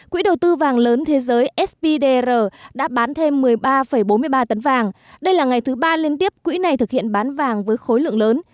quỹ đầu tư vàng lớn thế giới sbdr đã bán thêm một mươi ba bốn mươi ba tấn vàng đây là ngày thứ ba liên tiếp quỹ này thực hiện bán vàng với khối lượng lớn